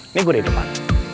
ini gue di depan